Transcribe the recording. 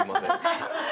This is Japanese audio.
ハハハハ！